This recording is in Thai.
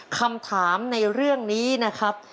คำถามในเรื่องนี้นะครับ